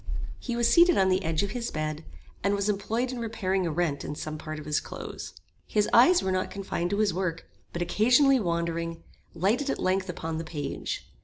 He was seated on the edge of his bed, and was employed in repairing a rent in some part of his clothes. His eyes were not confined to his work, but occasionally wandering, lighted at length upon the page.